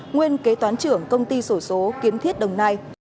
nguyên kế toán trưởng công ty sổ số kiến thiết đồng nai